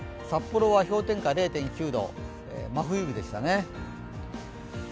札幌は氷点下０．９度、真冬日でしたね。